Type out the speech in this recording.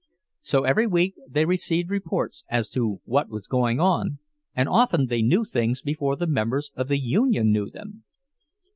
So every week they received reports as to what was going on, and often they knew things before the members of the union knew them.